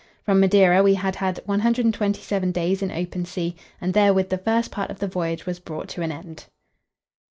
From Madeira we had had 127 days in open sea, and therewith the first part of the voyage was brought to an end.